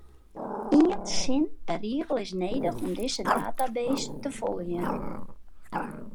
Ien sin per rigel is nedich om dizze database te foljen.